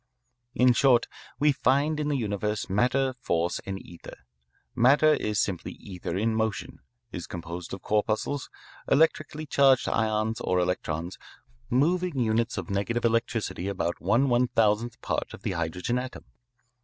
"In short, we find in the universe Matter, Force, and Ether. Matter is simply ether in motion, is composed of corpuscles, electrically charged ions, or electrons, moving units of negative electricity about one one thousandth part of the hydrogen atom.